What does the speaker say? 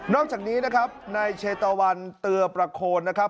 อกจากนี้นะครับนายเชตะวันเตือประโคนนะครับ